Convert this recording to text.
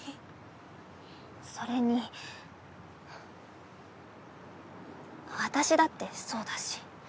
それに私だってそうだし。